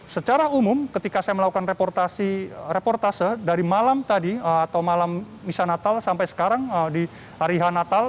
secara umum ketika saya melakukan reportase dari malam tadi atau malam misa natal sampai sekarang di hari natal